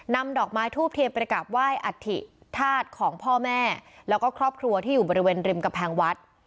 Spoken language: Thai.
นำดอกไม้ทูบเทียมไปกราบไหว้อัฐิธาตุของพ่อแม่แล้วก็ครอบครัวที่อยู่บริเวณริมกำแพงวัด